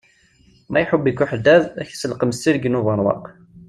Ma iḥubb-ik uḥeddad, ak iselqem s tirgin ubeṛwaq.